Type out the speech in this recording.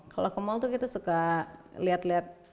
kalau ke mall tuh kita suka lihat lihat